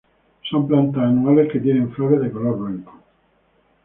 Son plantas anuales que tienen flores de color blanco.